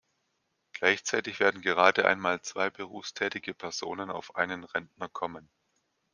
Gleichzeitig werden gerade einmal zwei berufstätige Personen auf einen Rentner kommen.